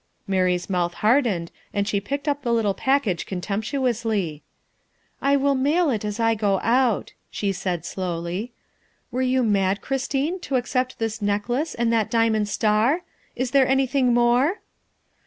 Mary's mouth hardened, and she picked up the little package contemptuously. '' I will mail it as I go out, '' she said slowly. '' Were you mad, Christine, to accept this necklace and that diamond star? Is there anything more?"